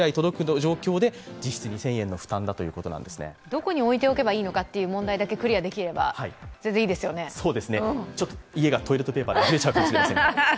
どこに置いておけばいいのかという問題だけクリアできれば家がトイレットペーパーであふれちゃうかもしれませんが。